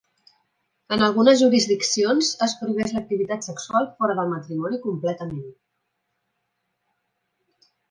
En algunes jurisdiccions es prohibeix l'activitat sexual fora del matrimoni completament.